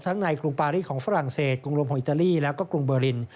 ทั้งในกรุงปารีกของฝรั่งเศสกรุงรมของอิตาลีและกรุงเบอริน